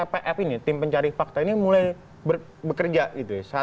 tapi bahkan tpr ini tim pencari fakta ini mulai bekerja gitu ya